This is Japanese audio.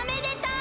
う